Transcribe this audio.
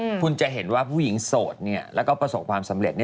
ดังนั้นคุณจะเห็นว่าผู้หญิงโสดและประสบความสำเร็จ